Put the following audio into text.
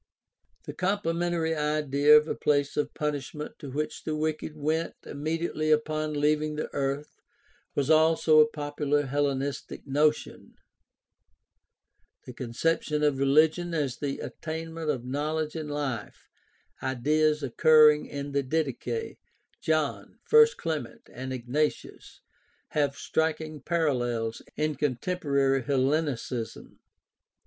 The complementary idea of a place of punishment to which the wicked went immediately upon leaving the earth was also a popular Hellenistic notion (cf. Luke 16:23, ^^d espe cially the Apocalypse of Peter). The conception of religion as the attainment of "Knowledge" and "Life" — ideas occurring in the Didache, John, I Clement, and Ignatius — have striking parallels in contemporary Hellenicism.